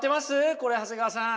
これ長谷川さん。